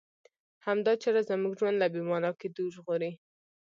همدا چاره زموږ ژوند له بې مانا کېدو ژغوري.